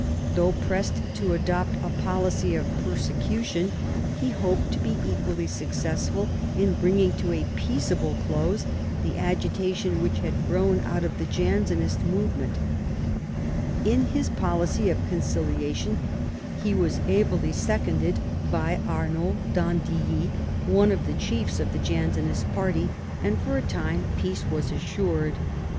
Though pressed to adopt a policy of persecu tion, he hoped to be equally successful in bringing to a peaceable close the agitation which had grown out of the Jansenist movement In his policy of conciliation he was ably seconded by Arnauld d'Andilly, one of the chiefs of the Jansenist party, and for a time peace was assured.